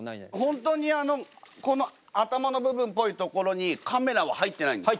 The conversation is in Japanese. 本当にあのこの頭の部分っぽいところにカメラは入ってないんですか？